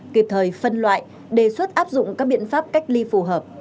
kịp thời phân loại đề xuất áp dụng các biện pháp cách ly phù hợp